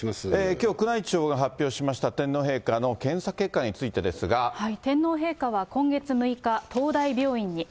きょう、宮内庁が発表しました天皇陛下の検査結果についてですが。天皇陛下は今月６日、東大病院に。